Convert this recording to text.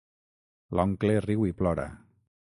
L'oncle riu i plora.